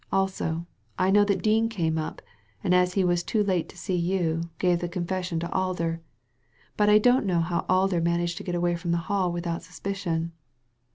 Also, I know that Dean came up, and as he was too late to see you, gave the confession to Alder. But I don't know how Alder managed to get away from the hall without suspicion."